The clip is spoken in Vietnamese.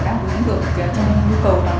yến bánh công ty thì